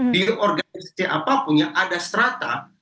di organisasi apapun yang ada serata